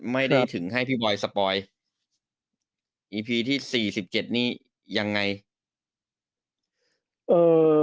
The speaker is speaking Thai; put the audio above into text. ไม่ได้ถึงให้พี่บอยสปอยอีพีที่สี่สิบเจ็ดนี่ยังไงเออ